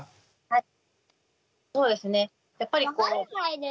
はい。